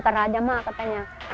teraja mah katanya